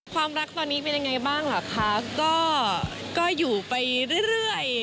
ความรักตอนนี้เป็นยังไงบ้างเหรอคะก็อยู่ไปเรื่อย